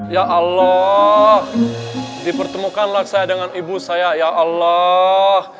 ya allah dipertemukanlah saya dengan ibu saya ya allah